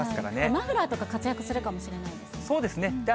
マフラーとか活躍するかもしそうですね。